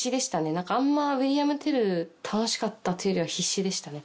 何かあんま『ウィリアム・テル』楽しかったってよりは必死でしたね。